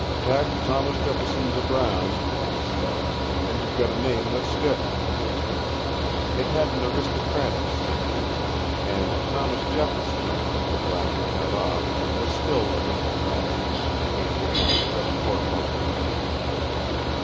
"Tack Thomas Jefferson to Brown," he said, "and you've got a name that sticks!" It had an aristocratic sound; and Thomas Jefferson, with the Brown cut off, was still aristocratic, when you came to count the red corpuscles in him.